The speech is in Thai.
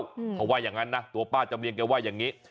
เพราะว่าอย่างนั้นนะตัวป้าจำเรียงแกว่าอย่างนี้